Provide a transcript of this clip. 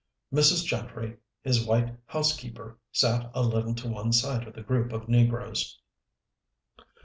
Mrs. Gentry, his white housekeeper, sat a little to one side of the group of negroes.